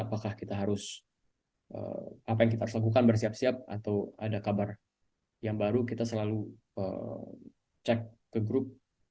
apakah kita harus apa yang kita harus lakukan bersiap siap atau ada kabar yang baru kita selalu cek ke grup